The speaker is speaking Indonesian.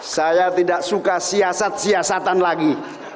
saya tidak suka siasat siasatan lagi